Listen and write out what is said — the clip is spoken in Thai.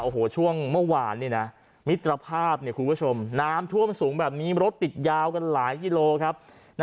โอ้โหช่วงเมื่อวานมิตรภาพคุณผู้ชมน้ำท่วมสูงแบบนี้รถติดยาวกันหลายกิโลครับ